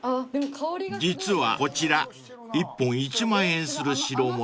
［実はこちら１本１万円する代物］